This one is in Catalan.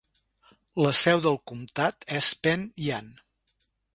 La seu del comtat és Penn Yan.